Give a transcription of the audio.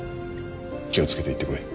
気を付けて行ってこい。